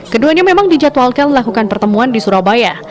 keduanya memang dijadwalkan melakukan pertemuan di surabaya